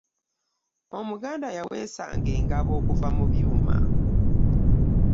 omuganda yaweesa nga engabo okuva mubyuma